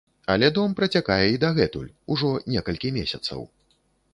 Але дом працякае і дагэтуль, ужо некалькі месяцаў.